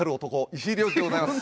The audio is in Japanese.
石井亮次でございます。